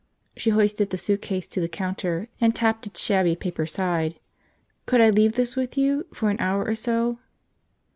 She hoisted the suitcase to the counter and tapped its shabby paper side. "Could I leave this with you? For an hour or so?"